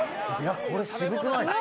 これ渋くないですか？